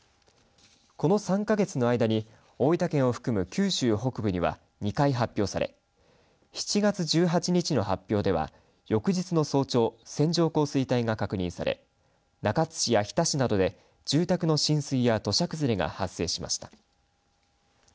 この３か月の間に大分県を含む九州北部には２回発表され７月１８日の発表では翌日の早朝線状降水帯が確認され中津市や日田市などで住宅の浸水や土砂崩れが発生しました。